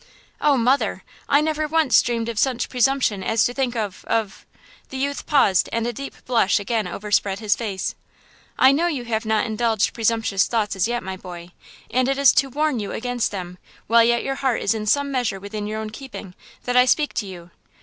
"Oh, mother, I never once dreamed of such presumption as to think of–of"–The youth paused and a deep blush again overspread his face. "I know you have not indulged presumptuous thoughts as yet, my boy, and it is to warn you against them, while yet your heart is in some measure within your own keeping, that I speak to you.